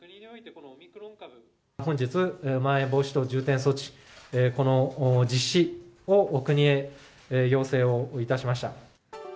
本日、まん延防止等重点措置、この実施を国へ要請をいたしました。